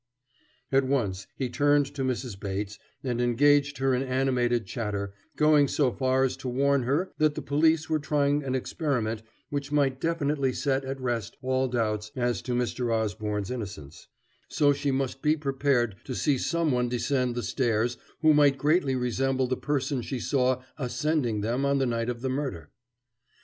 At once he turned to Mrs. Bates and engaged her in animated chatter, going so far as to warn her that the police were trying an experiment which might definitely set at rest all doubts as to Mr. Osborne's innocence, so she must be prepared to see someone descend the stairs who might greatly resemble the person she saw ascending them on the night of the murder.